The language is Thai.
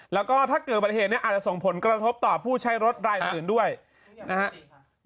แล้วก็ถ้าเกิดบัติเหตุเนี่ยอาจจะส่งผลกระทบต่อผู้ใช้รถรายอื่นด้วยนะครับ